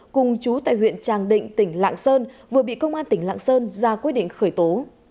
cùng chú tại huyện tràng định tỉnh lạng sơn vừa bị công an tỉnh lạng sơn ra quyết định khởi tố